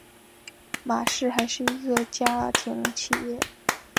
玛氏还是一个家庭企业。